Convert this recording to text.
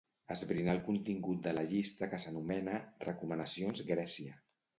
Esbrinar el contingut de la llista que s'anomena "recomanacions Grècia".